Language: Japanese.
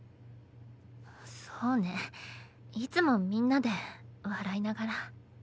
そうねいつもみんなで笑いながら。